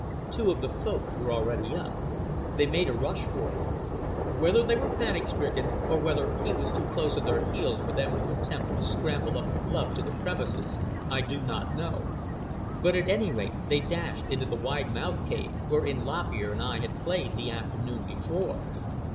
Two of the Folk were already up. They made a rush for it. Whether they were panic stricken, or whether he was too close on their heels for them to attempt to scramble up the bluff to the crevices, I do not know; but at any rate they dashed into the wide mouthed cave wherein Lop Ear and I had played the afternoon before.